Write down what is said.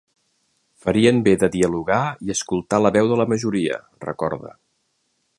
Farien bé de dialogar i escoltar la veu de la majoria, recorda.